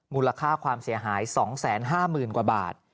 มูลค่าความเสียหาย๒๕๐๐๐กว่าบาท